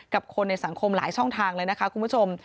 กับคนในสังคมหลายช่องทางเลยนะคะคุณผู้ชม